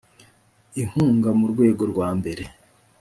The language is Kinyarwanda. inkunga mu rwego rwambere